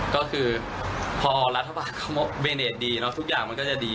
ก็คือพอรัฐบาลเขาเบเนตดีแล้วทุกอย่างมันก็จะดี